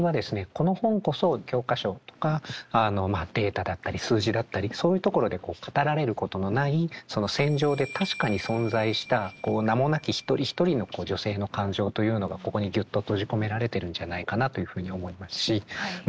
この本こそ教科書とかあのまあデータだったり数字だったりそういうところで語られることのない戦場で確かに存在した名もなき一人一人の女性の感情というのがここにギュッと閉じ込められてるんじゃないかなというふうに思いますしま